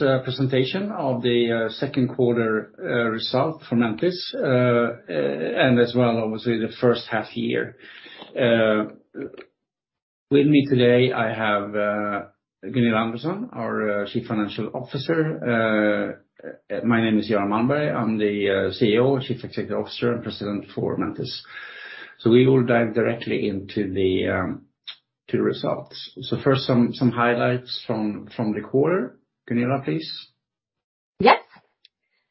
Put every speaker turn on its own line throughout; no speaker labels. Our presentation of the second quarter result for Mentice and as well, obviously the first half year. With me today, I have Gunilla Andersson, our Chief Financial Officer. My name is Göran Malmberg. I'm the CEO, Chief Executive Officer and President for Mentice. We will dive directly into the results. First some highlights from the quarter. Gunilla, please.
Yes.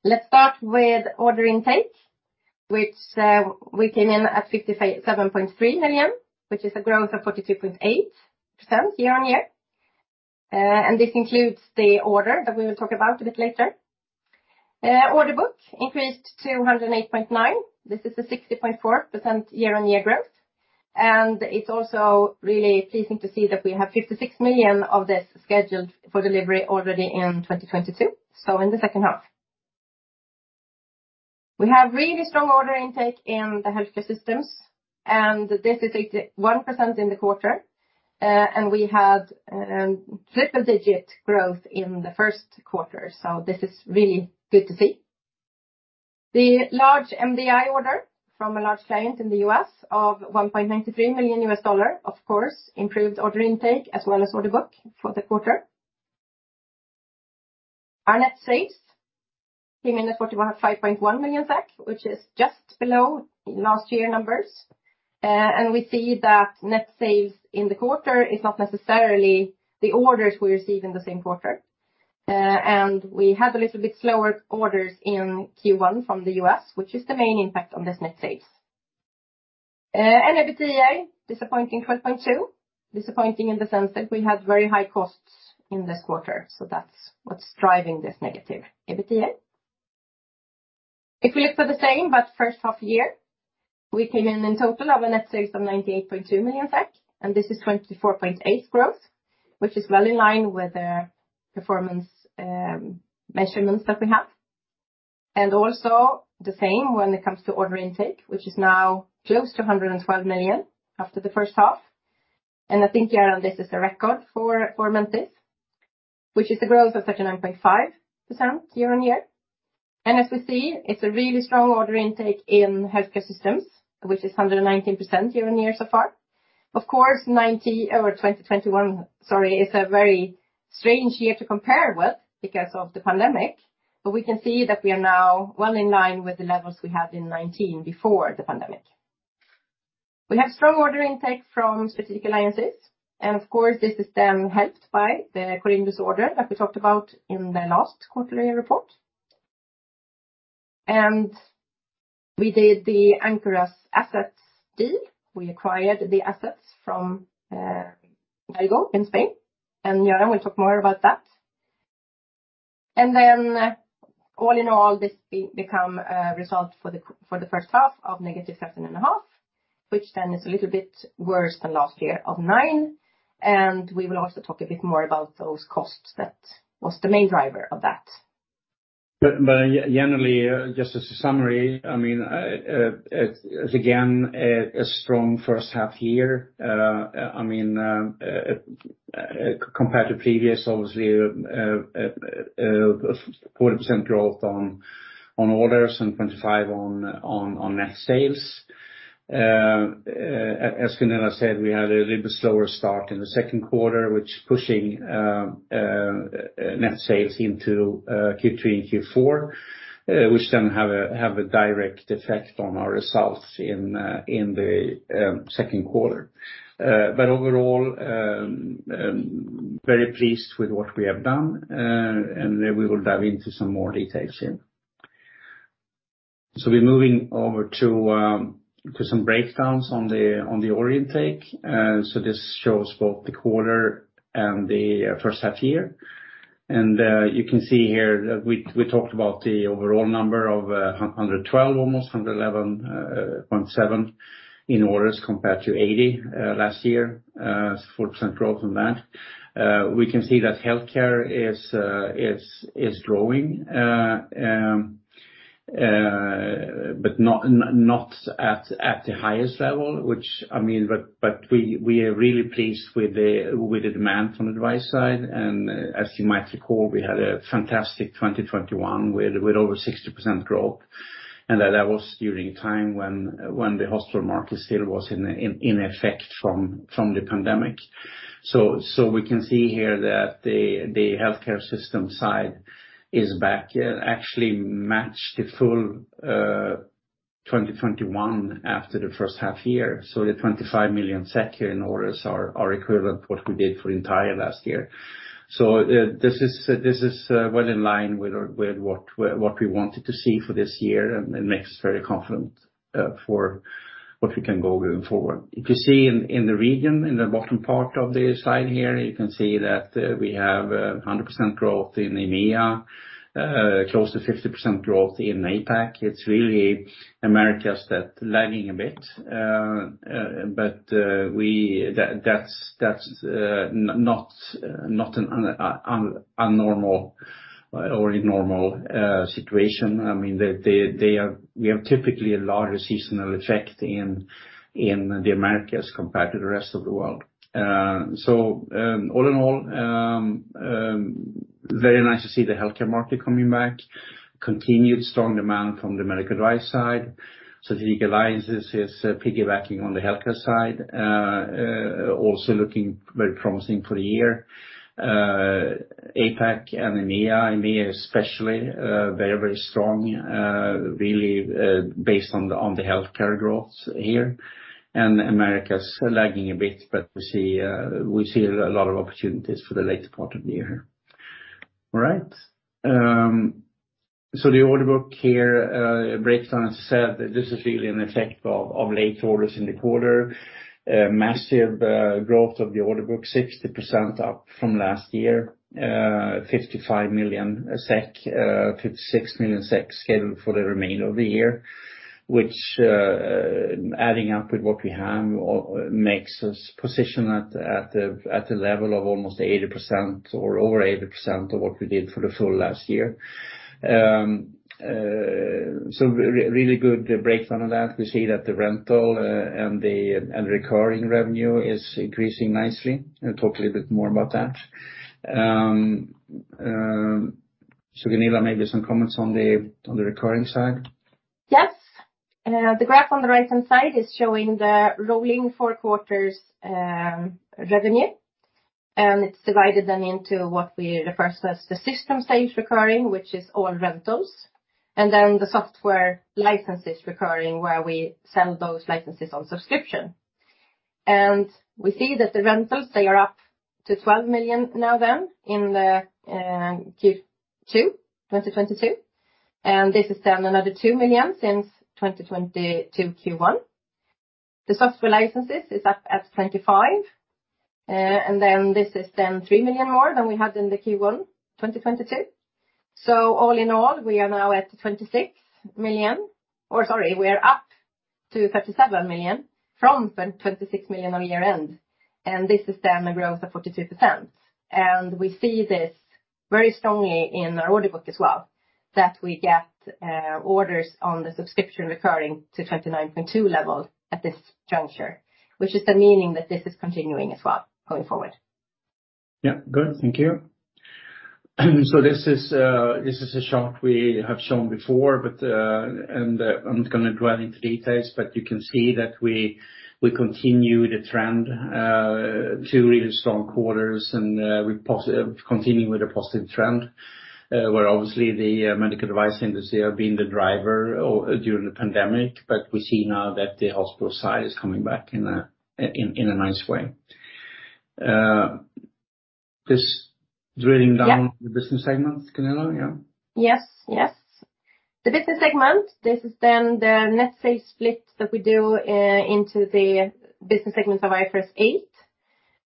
Let's start with order intake, which we came in at 57.3 million, which is a growth of 42.8% year-on-year. This includes the order that we will talk about a bit later. Order book increased to 108.9 million. This is a 60.4% year-on-year growth. It's also really pleasing to see that we have 56 million of this scheduled for delivery already in 2022, so in the second half. We have really strong order intake in the healthcare systems, and this is 81% in the quarter. We had triple digit growth in the first quarter, so this is really good to see. The large MDI order from a large client in the U.S. of $1.93 million, of course, improved order intake as well as order book for the quarter. Our net sales came in at 41.51 million, which is just below last year numbers. We see that net sales in the quarter is not necessarily the orders we receive in the same quarter. We had a little bit slower orders in Q1 from the US, which is the main impact on this net sales. EBITDA, disappointing -12.2. Disappointing in the sense that we had very high costs in this quarter, so that's what's driving this negative EBITDA. If we look for the same, but first half year, we came in in total of a net sales of SEK 98.2 million, and this is 24.8% growth, which is well in line with the performance measurements that we have. Also the same when it comes to order intake, which is now close to 112 million after the first half. I think, Göran, this is a record for Mentice, which is the growth of 39.5% year-on-year. As we see, it's a really strong order intake in healthcare systems, which is 119% year-on-year so far. Of course, 2021, sorry, is a very strange year to compare with because of the pandemic, but we can see that we are now well in line with the levels we had in 2019 before the pandemic. We have strong order intake from strategic alliances. Of course, this is then helped by the Corindus order that we talked about in the last quarterly report. We did the Ankyras assets deal. We acquired the assets from Vigo in Spain, and Göran will talk more about that. All in all, this become a result for the first half of -7.5, which then is a little bit worse than last year of -9, and we will also talk a bit more about those costs that was the main driver of that.
Generally, just as a summary, I mean, it's again a strong first half year. I mean, compared to previous, obviously, 40% growth on orders and 25% on net sales. As Gunilla said, we had a little slower start in the second quarter, which pushing net sales into Q3 and Q4, which then have a direct effect on our results in the second quarter. Overall, very pleased with what we have done, and we will dive into some more details here. We're moving over to some breakdowns on the order intake. This shows both the quarter and the first half year. You can see here that we talked about the overall number of 112, almost 111.7 in orders compared to 80 last year, so 4% growth on that. We can see that healthcare is growing, but not at the highest level, which I mean, but we are really pleased with the demand on the device side. As you might recall, we had a fantastic 2021 with over 60% growth. That was during a time when the hospital market still was in effect from the pandemic. We can see here that the healthcare system side is back, actually matched the full 2021 after the first half year. The 25 million SEK in orders are equivalent to what we did for entire last year. This is well in line with what we wanted to see for this year and it makes us very confident for what we can go moving forward. If you see in the region, in the bottom part of the slide here, you can see that we have 100% growth in EMEA, close to 50% growth in APAC. It's really Americas that lagging a bit, but that's not an abnormal or normal situation. I mean, we have typically a larger seasonal effect in the Americas compared to the rest of the world. Very nice to see the healthcare market coming back. Continued strong demand from the medical device side. Strategic alliances is piggybacking on the healthcare side, also looking very promising for the year. APAC and EMEA, especially, very strong, really based on the healthcare growth here. Americas lagging a bit, but we see a lot of opportunities for the later part of the year. All right. The order book here breaks down. As I said, this is really an effect of late orders in the quarter. Massive growth of the order book, 60% up from last year, 55 million SEK, 56 million SEK scheduled for the remainder of the year, which, adding up with what we have, makes us position at the level of almost 80% or over 80% of what we did for the full last year. Really good breakdown of that. We see that the rental and recurring revenue is increasing nicely. I'll talk a little bit more about that. Gunilla, maybe some comments on the recurring side.
Yes. The graph on the right-hand side is showing the rolling four quarters revenue. It's divided then into what we refer to as the system stage recurring, which is all rentals, and then the software licenses recurring, where we sell those licenses on subscription. We see that the rentals, they are up to 12 million now then in the Q2 2022. This is then another 2 million since 2022 Q1. The software licenses is up at 25 million, and then this is then 3 million more than we had in the Q1 2022. All in all, we are now at 26 million. Or sorry, we are up to 37 million from 26 million on year-end, and this is then a growth of 42%. We see this very strongly in our order book as well, that we get orders on the subscription recurring to 39.2 level at this juncture, which means that this is continuing as well going forward.
Yeah. Good. Thank you. This is a chart we have shown before, but and I'm not gonna delve into details, but you can see that we continue the trend, two really strong quarters, and continuing with a positive trend, where obviously the medical device industry have been the driver during the pandemic, but we see now that the hospital side is coming back in a nice way. This drilling down.
Yeah.
The business segment, Gunilla, yeah.
Yes. Yes. The business segment, this is then the net sales split that we do into the business segments of IFRS 8.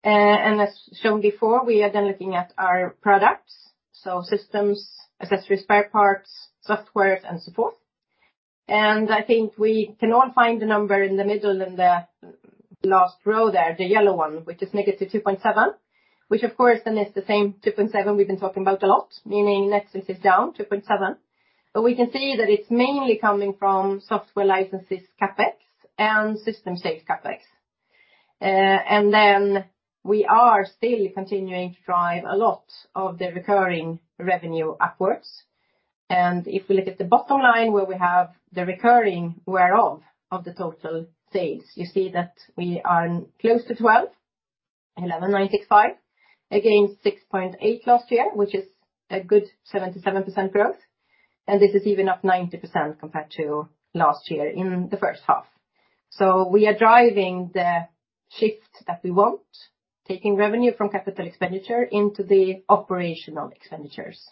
As shown before, we are then looking at our products, so systems, accessories, spare parts, software and support. I think we can all find the number in the middle in the last row there, the yellow one, which is -2.7, which of course then is the same 2.7 we've been talking about a lot, meaning net sales is down 2.7%. We can see that it's mainly coming from software licenses CapEx and system sales CapEx. We are still continuing to drive a lot of the recurring revenue upwards. If we look at the bottom line where we have the recurring share of the total sales, you see that we are close to 12, 11.965%. Again, 6.8% last year, which is a good 77% growth. This is even up 90% compared to last year in the first half. We are driving the shift that we want, taking revenue from capital expenditure into the operational expenditures.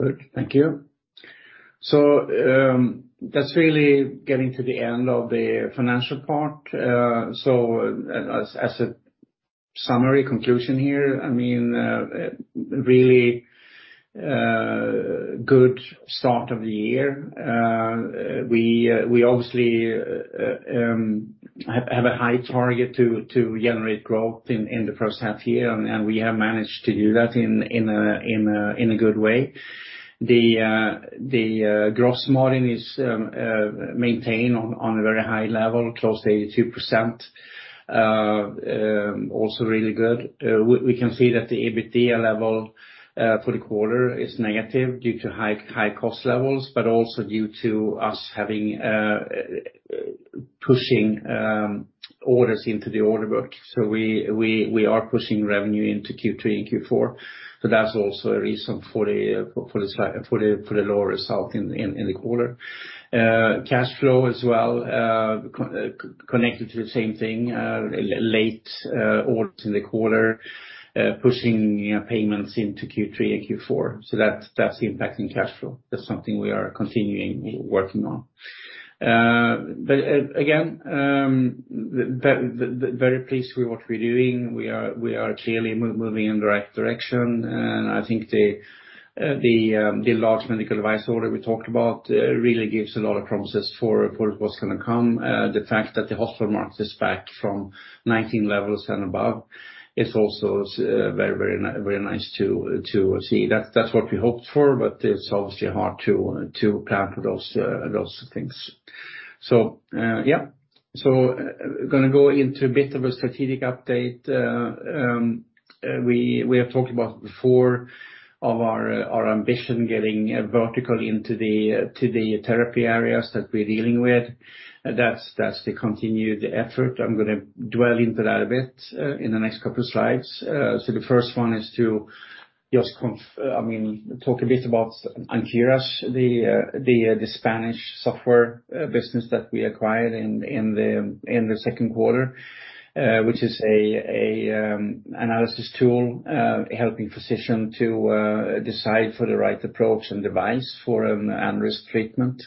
Good. Thank you. That's really getting to the end of the financial part. As a summary conclusion here, I mean, really good start of the year. We obviously have a high target to generate growth in the first half year, and we have managed to do that in a good way. The gross margin is maintained on a very high level, close to 82%, also really good. We can see that the EBITDA level for the quarter is negative due to high cost levels, but also due to us having pushing orders into the order book. We are pushing revenue into Q3 and Q4. That's also a reason for the slightly lower result in the quarter. Cash flow as well, connected to the same thing, late orders in the quarter, pushing payments into Q3 and Q4. That's impacting cash flow. That's something we are continuing to work on. Again, very pleased with what we're doing. We are clearly moving in the right direction. I think the large medical device order we talked about really gives a lot of promises for what's gonna come. The fact that the hospital market is back to 2019 levels and above is also very, very nice to see. That's what we hoped for, but it's obviously hard to plan for those things. Gonna go into a bit of a strategic update. We have talked about before of our ambition getting vertical into the therapy areas that we're dealing with. That's the continued effort. I'm gonna dwell into that a bit in the next couple of slides. The first one is to just, I mean, talk a bit about Ankyras, the Spanish software business that we acquired in the second quarter, which is a analysis tool helping physician to decide for the right approach and device for an aneurysm treatment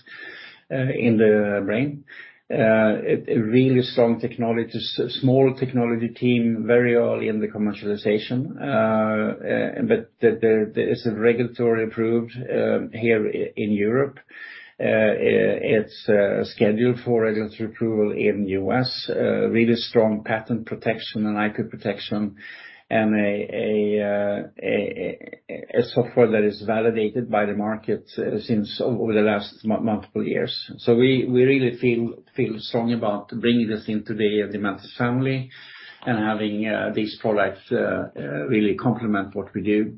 in the brain. A really strong technology, small technology team, very early in the commercialization. But there is a regulatory approval here in Europe. It's scheduled for regulatory approval in the U.S., really strong patent protection and IP protection and a software that is validated by the market since over the last multiple years. We really feel strong about bringing this into the Mentice family and having these products really complement what we do,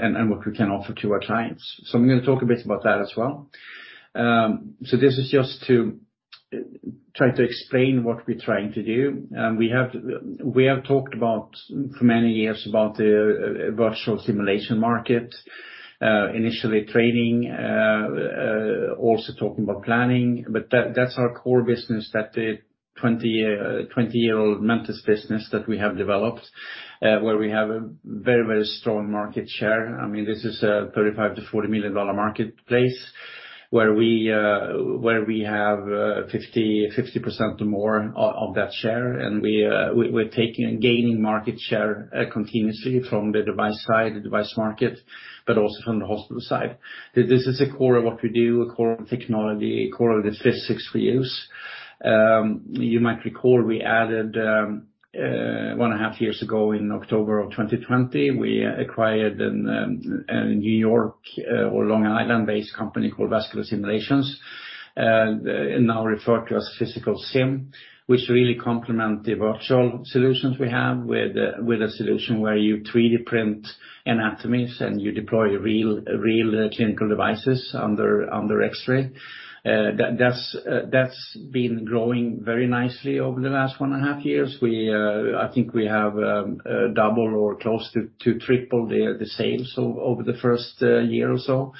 and what we can offer to our clients. I'm gonna talk a bit about that as well. This is just to try to explain what we're trying to do. We have talked about for many years about the virtual simulation market, initially training, also talking about planning, but that's our core business that the 20-year-old Mentice business that we have developed, where we have a very strong market share. I mean, this is a $35 million-$40 million marketplace where we have 50% or more of that share. We're taking and gaining market share continuously from the device side, the device market, but also from the hospital side. This is a core of what we do, a core of technology, a core of the physics we use. You might recall we added one and a half years ago in October of 2020, we acquired a New York or Long Island-based company called Vascular Simulations, now referred to as Physical Sim, which really complement the virtual solutions we have with a solution where you 3D print anatomies and you deploy real clinical devices under X-ray. That's been growing very nicely over the last one and a half years. I think we have double or close to triple the sales over the first year or so,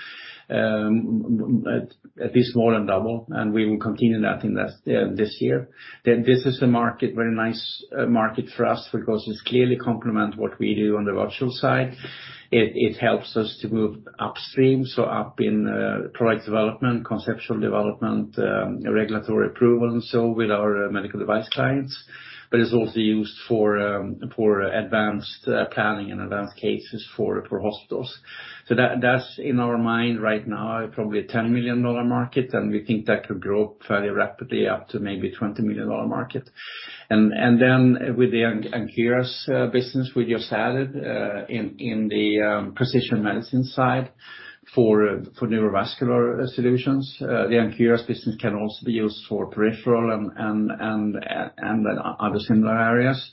at least more than double, and we will continue that in this year. This is a very nice market for us because it clearly complements what we do on the virtual side. It helps us to move upstream, so up in product development, conceptual development, regulatory approval, and so with our medical device clients. It's also used for advanced planning and advanced cases for hospitals. That's in our mind right now, probably a $10 million market, and we think that could grow up fairly rapidly to maybe a $20 million market. With the Ankyras business we just added in the precision medicine side for neurovascular solutions. The Ankyras business can also be used for peripheral and other similar areas.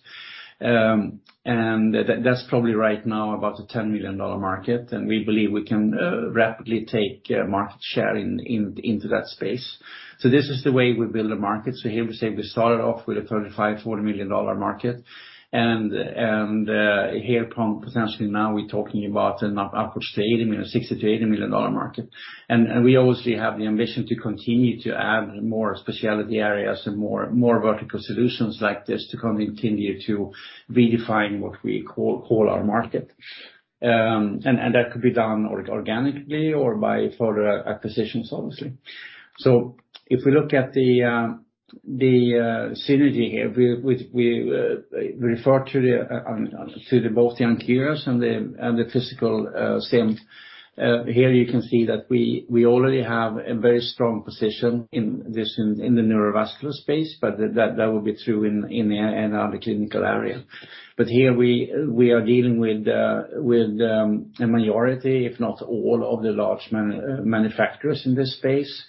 That's probably right now about a $10 million market, and we believe we can rapidly take market share into that space. This is the way we build a market. Here we say we started off with a $35 million-$40 million market, and here from potentially now we're talking about upwards to $80 million, $60 million-$80 million market. We obviously have the ambition to continue to add more specialty areas and more vertical solutions like this to continue to redefine what we call our market. That could be done organically or by further acquisitions, obviously. If we look at the synergy here, we refer to both the Ankyras and the Physical Sim. Here you can see that we already have a very strong position in this in the neurovascular space, but that would be true in other clinical area. Here we are dealing with a minority, if not all, of the large manufacturers in this space.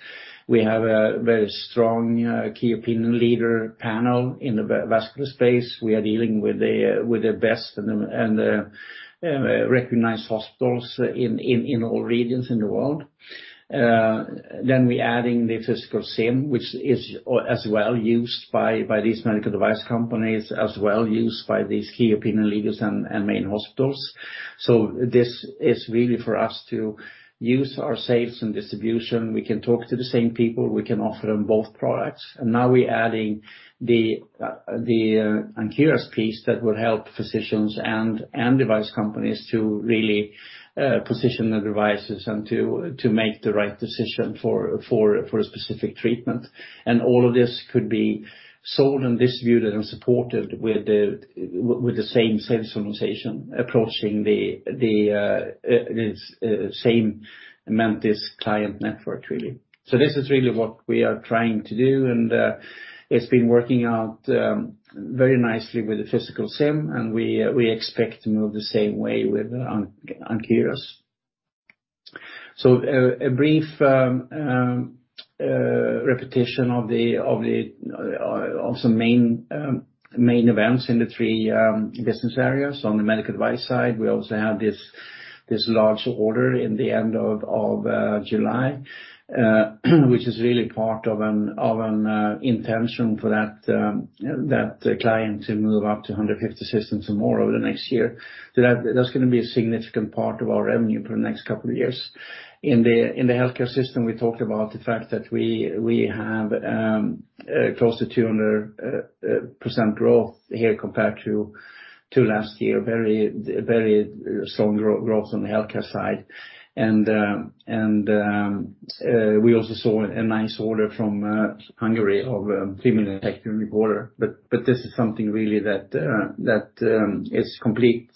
We have a very strong key opinion leader panel in the vascular space. We are dealing with the best and recognized hospitals in all regions in the world. We adding the Physical Sim, which is as well used by these medical device companies, as well used by these key opinion leaders and main hospitals. This is really for us to use our sales and distribution. We can talk to the same people, we can offer them both products. Now we adding the Ankyras piece that will help physicians and device companies to really position the devices and to make the right decision for a specific treatment. All of this could be sold and distributed and supported with the same sales organization approaching this same Mentice client network, really. This is really what we are trying to do, and it's been working out very nicely with the Physical Sim, and we expect to move the same way with Ankyras. A brief repetition of some main events in the three business areas. On the medical device side, we also have this large order in the end of July which is really part of an intention for that client to move up to 150 systems or more over the next year. That that's gonna be a significant part of our revenue for the next couple of years. In the healthcare system, we talked about the fact that we have close to 200% growth here compared to last year. Very strong growth on the healthcare side. We also saw a nice order from Hungary of SEK 3 million. This is something really that is completely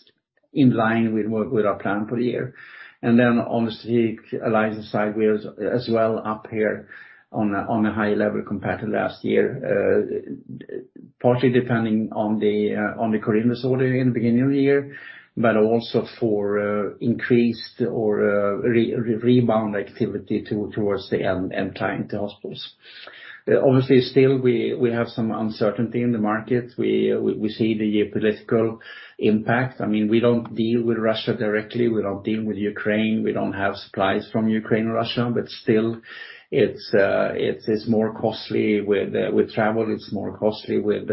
in line with what we have planned for the year. Obviously, Alliances side, we are as well up here on a high level compared to last year, partly depending on the Corindus order in the beginning of the year, but also for increased rebound activity towards the end client, the hospitals. Obviously, still we have some uncertainty in the market. We see the political impact. I mean, we don't deal with Russia directly, we don't deal with Ukraine, we don't have supplies from Ukraine or Russia, but still, it's more costly with travel, it's more costly with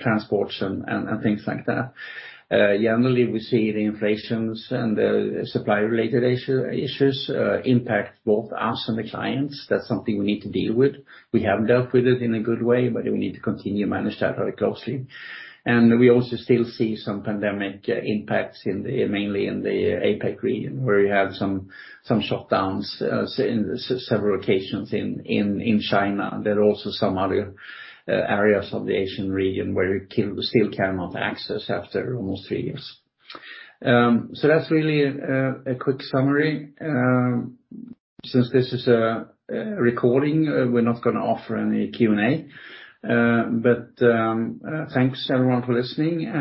transports and things like that. Generally, we see the inflations and the supply-related issues impact both us and the clients. That's something we need to deal with. We have dealt with it in a good way, but we need to continue to manage that very closely. We also still see some pandemic impacts mainly in the APAC region, where we have some shutdowns in several occasions in China. There are also some other areas of the Asian region where you still cannot access after almost three years. So that's really a quick summary. Since this is a recording, we're not gonna offer any Q&A. Thanks everyone for listening and.